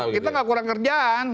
kita gak kurang kerjaan